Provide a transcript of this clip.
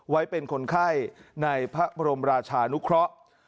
ไว้เป็นคนไข้ในพระบรมราชานุเคราะห์